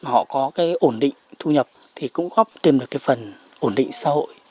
họ có cái ổn định thu nhập thì cũng góp tìm được cái phần ổn định xã hội